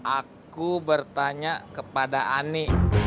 aku bertanya kepada ani